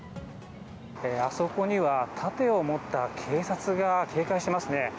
あそこには盾を持った警察が警戒していますね。